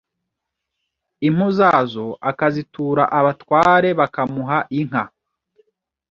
impu za zo akazitura abatware bakamuha inka.